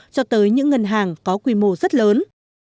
cho tới những ngân hàng có quy mô rất lớn